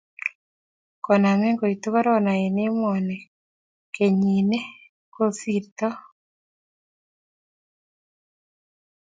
Koname koitu Corona eng emoni kenyii ne kosirtoo.